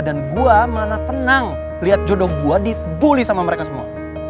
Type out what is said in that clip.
dan gue mana tenang liat jodoh gue dibully sama mereka semua